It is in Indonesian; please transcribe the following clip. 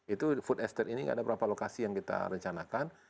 itu food estate ini ada berapa lokasi yang kita rencanakan